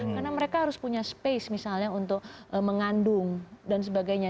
karena mereka harus punya space misalnya untuk mengandung dan sebagainya